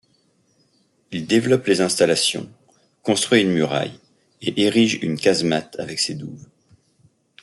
Il développe les installations, construit une muraille et érige une casemate avec ses douves.